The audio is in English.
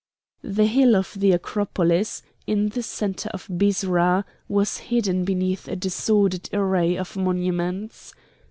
The hill of the Acropolis, in the centre of Byrsa, was hidden beneath a disordered array of monuments.